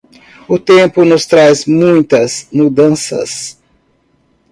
O tempo nos traz muitas mudanças.